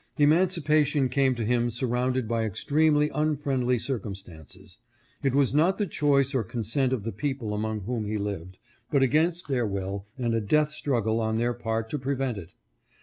Emancipation came to him sur rounded by extremely unfriendly circumstances. It was not the choice or consent of the people among whom he lived, but against their will and a death struggle on their part to prevent it.